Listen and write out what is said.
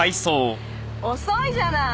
遅いじゃない。